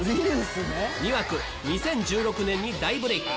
２枠２０１６年に大ブレーク。